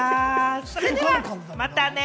それではまたね！